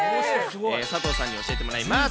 佐藤さんに教えてもらいます。